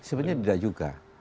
sebenarnya tidak juga